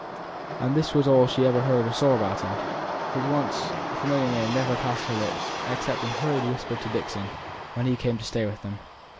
And this was all she ever heard or saw about him; his once familiar name never passed her lips except in hurried whispers to Dixon, when he came to stay with them.